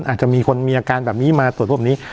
อาจจะมีคนมีอาการแบบนี้มาตรวจพวกนี้